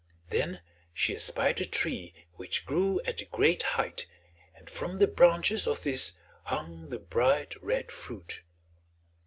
Then she espied a tree which grew at a great height, and from the branches of this hung the bright red fruit.